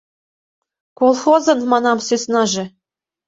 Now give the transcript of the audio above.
Колхозын, манам, сӧснаже.